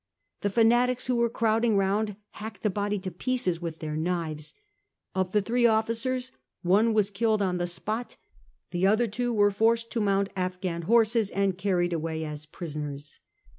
The fanatics who were crowding round hacked the body to pieces with their knives. Of the three officers one was killed on the spot ; the other two were forced to mount Afghan horses and carried away as prisoners.